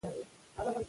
باید دا رڼا خپره کړو.